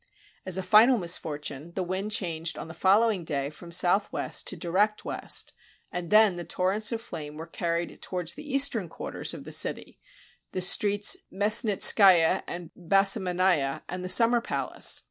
As a final misfortune, the wind changed on the follow ing day from southwest to direct west, and then the tor rents of flame were carried towards the eastern quarters of the city, the streets Messnitskaia and Bassmanaia, and the Summer Palace.